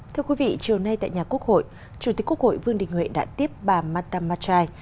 thưa quý vị chiều nay tại nhà quốc hội chủ tịch quốc hội vương đình huệ đã tiếp bà marta matrai